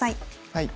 はい。